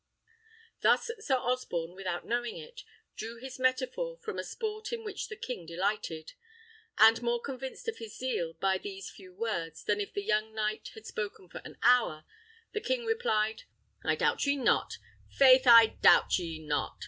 Thus, Sir Osborne, without knowing it, drew his metaphor from a sport in which the king delighted; and, more convinced of his zeal by these few words than if the young knight had spoken for an hour, the king replied, "I doubt ye not; 'faith, I doubt ye not.